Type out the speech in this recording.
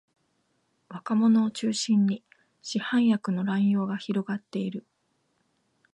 若者を中心に市販薬の乱用が広がっている